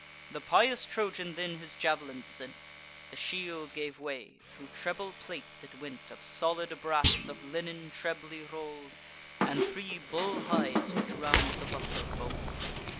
The pious Trojan then his jav'lin sent; The shield gave way; thro' treble plates it went Of solid brass, of linen trebly roll'd, And three bull hides which round the buckler fold.